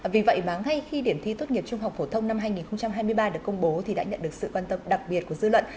vì vậy mà ngay khi điểm thi tốt nghiệp trung học phổ thông năm hai nghìn hai mươi ba được công bố thì đã nhận được sự quan tâm đặc biệt của dư luận